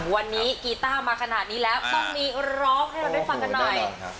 วันนี้กีต้ามาขนาดนี้แล้วต้องมีร้องให้เราได้ฟังกันหน่อย